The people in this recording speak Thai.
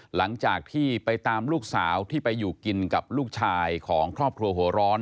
หลังจากที่ไปตามลูกสาวที่ไปอยู่กินกับลูกชายของครอบครัวหัวร้อน